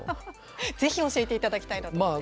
ぜひ教えていただきたいなと思って。